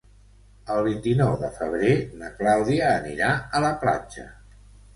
El vint-i-nou de febrer na Clàudia anirà a la platja.